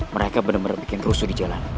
mereka bener bener bikin rusuh di jalan